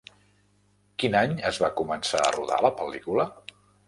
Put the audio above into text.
Quin any es va començar a rodar la pel·lícula?